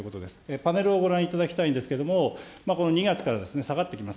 パネルをご覧いただきたいんですけれども、この２月から下がってきます。